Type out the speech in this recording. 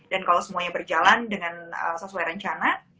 dan kalau semuanya berjalan dengan sesuai rencana